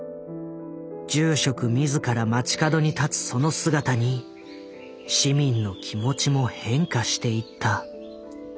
住職自ら街角に立つその姿に市民の気持ちも変化していった。